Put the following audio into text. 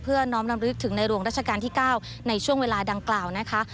น้อมรำลึกถึงในหลวงราชการที่๙ในช่วงเวลาดังกล่าวนะคะ